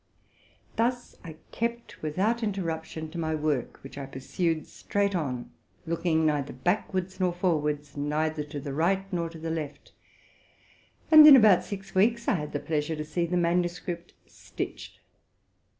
Thus I kept, without interruption, to my work, which I pur sued straight on, looking neither backward nor forward, neither to the right nor to the left; and in about six weeks I had the pleasure to see the manuscript stitched.